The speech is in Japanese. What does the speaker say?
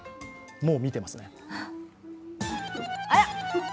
もう見てますね。